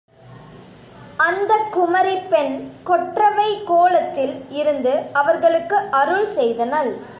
அந்தக் குமரிப்பெண் கொற்றவை கோலத்தில் இருந்து அவர்களுக்கு அருள் செய்தனள்.